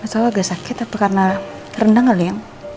masalah gak sakit apa karena rendang kali ya